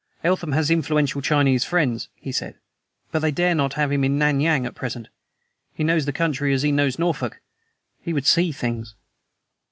"Eltham has influential Chinese friends," he said; "but they dare not have him in Nan Yang at present. He knows the country as he knows Norfolk; he would see things!